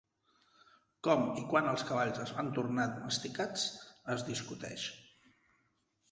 Com i quan els cavalls es van tornar domesticats es discuteix.